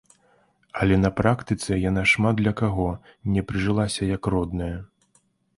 Але на практыцы яна шмат для каго не прыжылася як родная.